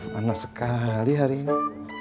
panas sekali hari ini